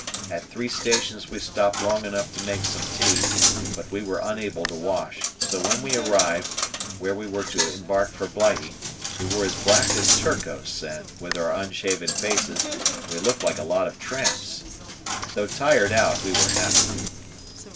At three stations we stopped long enough to make some tea, but were unable to wash, so when we arrived at B , where we were to embark for Blighty, we were as black as Turcos and, with our unshaven faces, we looked like a lot of tramps. Though tired out, we were happy.